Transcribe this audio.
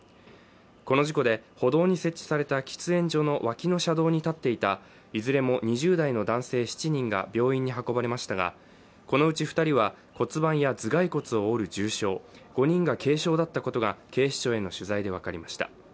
この事故で、歩道に設置された喫煙所の脇の車道に立っていたいずれも２０代の男性７人が病院に運ばれましたがこのうち２人は骨盤や頭蓋骨を折る重傷、５人が軽傷だったことが警視庁への取材で分かりました。